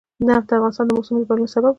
نفت د افغانستان د موسم د بدلون سبب کېږي.